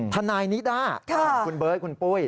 ทนายนิด้าคุณเบิร์ตคุณปุ้ย